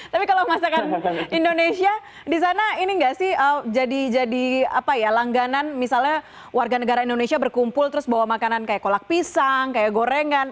tapi kalau masakan indonesia di sana ini nggak sih jadi langganan misalnya warga negara indonesia berkumpul terus bawa makanan kayak kolak pisang kayak gorengan